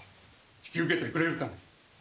引き受けてくれるかね？